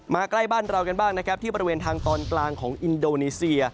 ใกล้บ้านเรากันบ้างนะครับที่บริเวณทางตอนกลางของอินโดนีเซีย